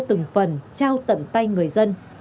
từng phần trao tận tay người dân